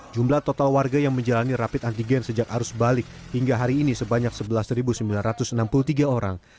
jumlah total warga yang menjalani rapid antigen sejak arus balik hingga hari ini sebanyak sebelas sembilan ratus enam puluh tiga orang